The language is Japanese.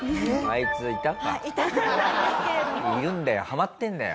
いるんだよハマってるんだよ。